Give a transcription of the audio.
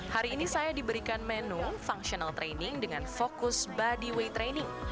hari ini saya diberikan menu functional training dengan fokus body way training